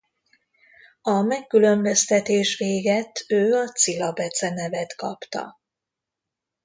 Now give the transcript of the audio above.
A megkülönböztetés végett ő a Cila becenevet kapta.